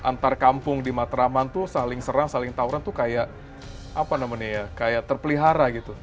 antar kampung di matraman tuh saling serang saling tawuran tuh kayak apa namanya ya kayak terpelihara gitu